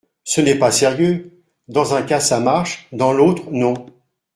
Ce n’est pas sérieux ! Dans un cas, ça marche, dans l’autre, non.